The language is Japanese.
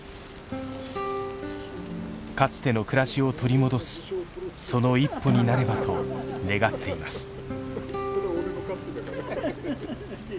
かつての暮らしを取り戻すその一歩になればと願っています。